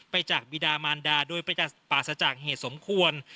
ไปจากบิดามานดาโดยไปจากปราศจักรเหตุสมควร